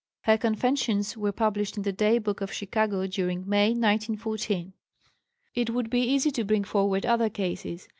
(Her "Confessions" were published in the Day Book of Chicago during May, 1914.) It would be easy to bring forward other cases.